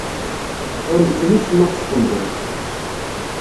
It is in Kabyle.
Ur nessin acemma ɣef Sṭembul.